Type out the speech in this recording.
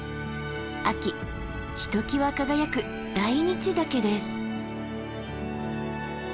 秋ひときわ輝く大日岳です。